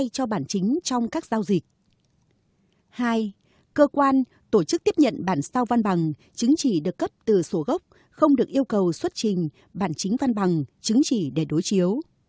hai cơ quan tổ chức tiếp nhận bản sao văn bằng chứng chỉ được cấp từ sổ gốc không được yêu cầu xuất trình bản chính văn bằng chứng chỉ để đối chiếu